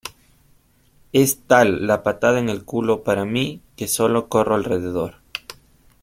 Es tal la patada en el culo para mí, que solo corro alrededor.